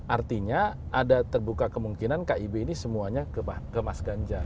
artinya ada terbuka kemungkinan kib ini semuanya ke mas ganjar